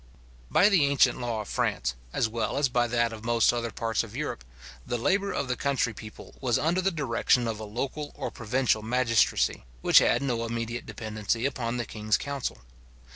By the ancient law of France, as well as by that of most other parts of Europe, the labour of the country people was under the direction of a local or provincial magistracy, which had no immediate dependency upon the king's council.